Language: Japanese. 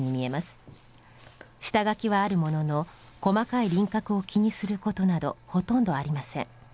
下書きはあるものの細かい輪郭を気にすることなどほとんどありません。